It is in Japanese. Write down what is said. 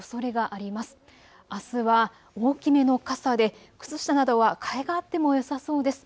あすは大きめの傘で靴下などはかえがあってもよさそうです。